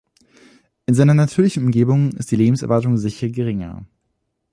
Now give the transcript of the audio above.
In seiner natürlichen Umgebung ist die Lebenserwartung sicher geringer.